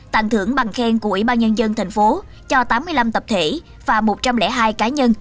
tặng thưởng bằng khen của ủy ban nhân dân thành phố cho tám mươi năm tập thể và một trăm linh hai cá nhân